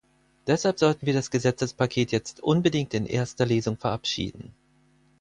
Deshalb sollten wir das Gesetzespaket jetzt unbedingt in erster Lesung verabschieden.